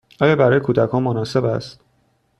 آیا برای کودکان مناسب است؟